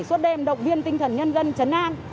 suốt đêm động viên tinh thần nhân dân chấn an